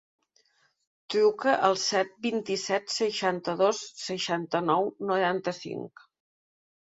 Truca al set, vint-i-set, seixanta-dos, seixanta-nou, noranta-cinc.